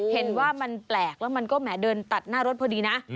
เห็นว่ามันแปลกแล้วมันก็แหมเดินตัดหน้ารถพอดีนะ